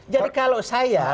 jadi kalau saya